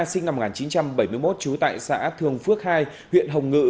sinh năm một nghìn chín trăm bảy mươi một trú tại xã thường phước hai huyện hồng ngự